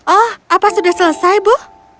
oh apa sudah selesai bu